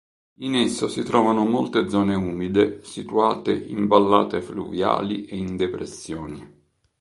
In esso si trovano molte zone umide situate in vallate fluviali e in depressioni.